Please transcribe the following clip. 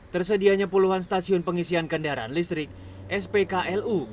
tersedianya puluhan stasiun pengisian kendaraan listrik spklu